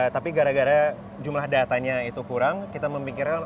tapi gara gara jumlah datanya itu kurang kita memikirkan